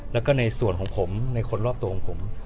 แล้วก็ในส่วนของผมในคนรอบตัวของผม